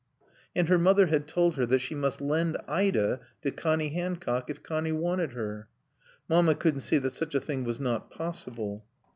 And her mother had told her that she must lend Ida to Connie Hancock if Connie wanted her. Mamma couldn't see that such a thing was not possible.